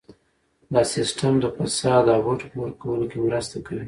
دا سیستم د فساد او بډو په ورکولو کې مرسته کوي.